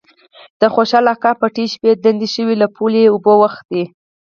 د خوشال اکا پټی شپې ډنډ شوی له پولو یې اوبه اوختي.